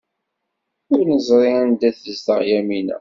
Ur neẓri anda ay tezdeɣ Yamina.